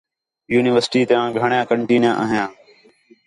یونیورسٹی تیاں گھݨیاں کنٹیناں آھیاں